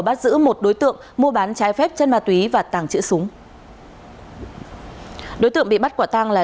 bắt giữ một đối tượng mua bán trái phép chân ma túy và tàng trữ súng đối tượng bị bắt quả tang là